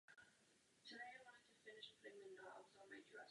Byl odpovědným redaktorem tohoto deníku.